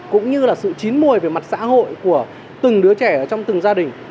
cũng như là sự chín mùi về mặt xã hội của từng đứa trẻ trong từng gia đình